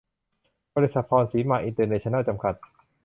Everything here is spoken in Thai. บริษัท พรสีมาอินเตอร์เนชั่นแนล จำกัด